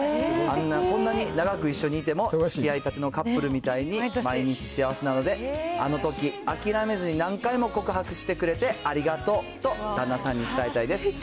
こんなに長く一緒にいても、つきあいたてのカップルみたいに毎日幸せなので、あのとき、諦めずに何回も告白してくれてありがとうと、旦那さんに伝えたいです。